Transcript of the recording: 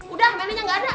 udah meli nya gak ada